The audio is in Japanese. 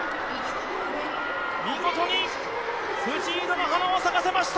見事に藤色の花を咲かせました！